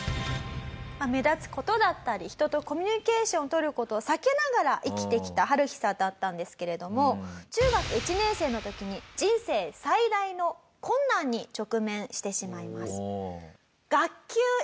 目立つ事だったり人とコミュニケーション取る事を避けながら生きてきたハルヒさんだったんですけれども中学１年生の時に人生最大の困難に直面してしまいます。